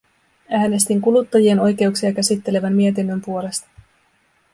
Äänestin kuluttajan oikeuksia käsittelevän mietinnön puolesta.